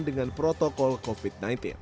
dengan protokol covid sembilan belas